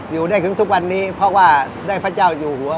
อยู่ได้ถึงทุกวันนี้เพราะว่าได้พระเจ้าอยู่หัว